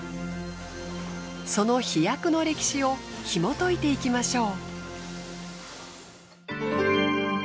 その飛躍の歴史をひも解いていきましょう。